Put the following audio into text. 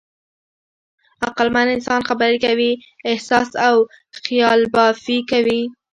عقلمن انسان خبرې، احساس او خیالبافي کوي.